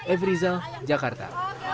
ev rizal jakarta